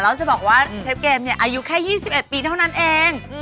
แล้วจะบอกว่าเชฟเกมเนี่ยอายุแค่๒๑ปีเท่านั้นเอง